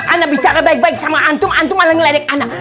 anda bicara baik baik sama antum antum malah ngeledek anak